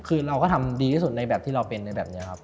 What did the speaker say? คือเราก็ทำดีที่สุดในแบบที่เราเป็นในแบบนี้ครับ